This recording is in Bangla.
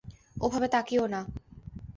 ওভাবে তাকিও না।